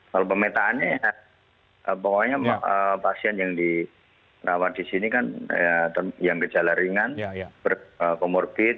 kalau pemetaannya ya pokoknya pasien yang dirawat di sini kan yang gejala ringan berkomorbid